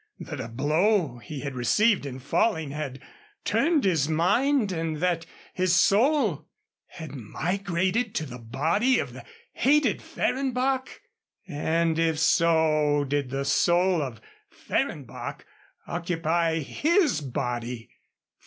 That a blow he had received in falling had turned his mind, and that his soul had migrated to the body of the hated Fehrenbach? And if so, did the soul of Fehrenbach occupy his body?